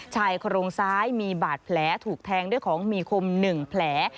ชายโครงซ้ายมีบาดแผลถูกแทงด้วยของมีคม๑แผล